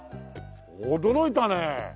驚いたね！